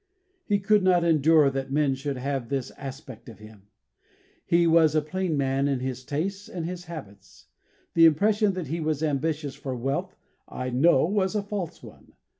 He could not endure that men should have this aspect of him. He was a plain man in his tastes and his habits; the impression that he was ambitious for wealth, I know, was a false one.